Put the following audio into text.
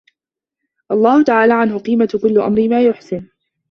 اللَّهُ تَعَالَى عَنْهُ قِيمَةُ كُلِّ امْرِئٍ مَا يُحْسِنُ